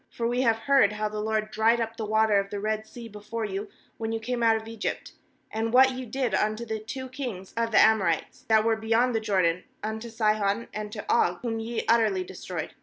10For we have heard how the LORD dried up the water of the Red Sea before you, when ye came out of Egypt; and what ye did unto the two kings of the Amorites, that were beyond the Jordan, unto Sihon and to Og, whom ye utterly destroyed.